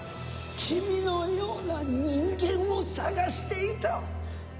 君のような人間を探していた！